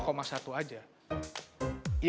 kemudian tamat lagi